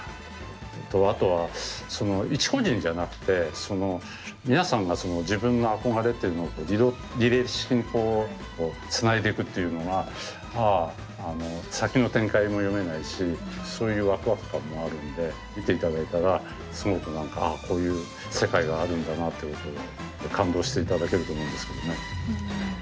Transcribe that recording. あとは一個人じゃなくて皆さんがその自分の憧れっていうのをリレー式にこうつないでいくっていうのがああ先の展開も読めないしそういうワクワク感もあるんで見ていただいたらすごく何かああこういう世界があるんだなっていうことで感動していただけると思うんですけどね。